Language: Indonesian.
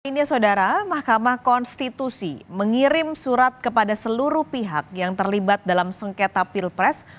ini saudara mahkamah konstitusi mengirim surat kepada seluruh pihak yang terlibat dalam sengketa pilpres